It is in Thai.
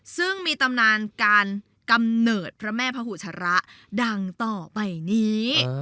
ซึ่งมีตำนานการกำเนิดพระแม่พระหูชระดังต่อไปนี้